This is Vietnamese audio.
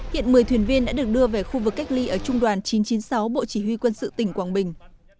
hiện một mươi thuyền viên đã được đưa về khu vực cách ly ở trung đoàn chín trăm chín mươi sáu bộ chỉ huy quân sự tỉnh quảng bình